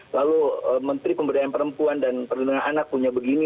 lalu menteri pemberdayaan perempuan dan perlindungan anak punya begini